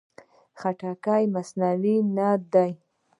خټکی مصنوعي نه ده.